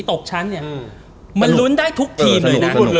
ตกชั้นเนี่ยมันลุ้นได้ทุกทีมเลยนะ